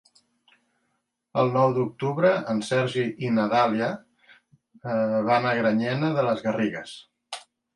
El nou d'octubre en Sergi i na Dàlia van a Granyena de les Garrigues.